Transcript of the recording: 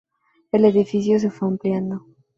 El edificio se fue ampliando.